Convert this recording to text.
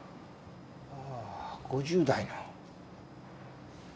ああ５０代の。